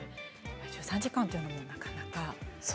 １３時間というのもなかなか。